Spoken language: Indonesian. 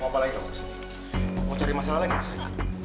mau apa lagi mau cari masalah lagi mas revo